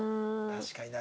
確かにな。